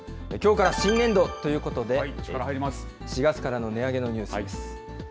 きょうから新年度ということで、４月からの値上げのニュースです。